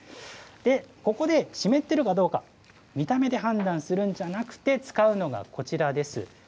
ここで湿っているかどうか、見た目で判断するんじゃなくて、使うのがこちらです。